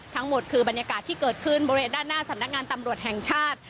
ทั้งหมดคือบรรยากาศที่เกิดขึ้นบริเวณด้านหน้าสำนักงานตำรวจแห่งชาติ